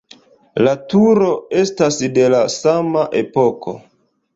La turo estas de la sama epoko.